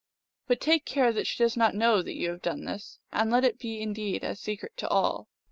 But take care that she does not know that you have done this, and let it be indeed a secret to all."